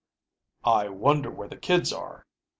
"I wonder where the kids are?"